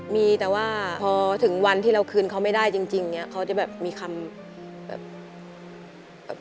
มีแต่ว่าพอถึงวันที่เราคืนเขาไม่ได้จริงอย่างนี้เขาจะแบบมีคำแบบ